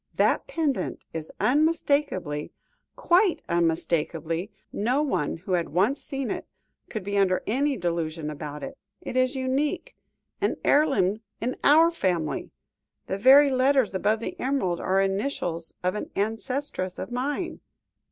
That pendant is unmistakable quite unmistakable no one who had once seen it, could be under any delusion about it. It is unique an heirloom in our family. The very letters above the emerald, are initials of an ancestress of mine."